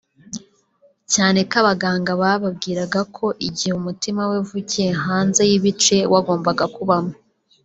cyane ko abaganga bababwiraga ko igihe umutima we uvukiye hanze y’ibice wagombaga kubamo